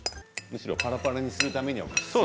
むしろパラパラにするためには必要。